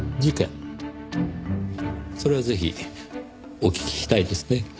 それはぜひお聞きしたいですね。